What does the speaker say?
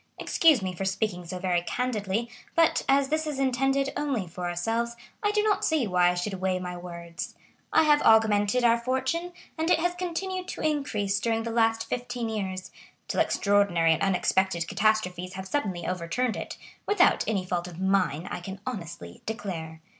Excuse me for speaking so very candidly, but as this is intended only for ourselves, I do not see why I should weigh my words. I have augmented our fortune, and it has continued to increase during the last fifteen years, till extraordinary and unexpected catastrophes have suddenly overturned it,—without any fault of mine, I can honestly declare.